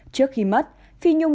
trước khi mất phi nhung